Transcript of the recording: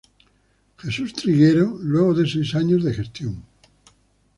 Jesús Triguero luego de seis años de gestión.